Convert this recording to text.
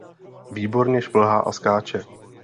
Výborně šplhá a skáče.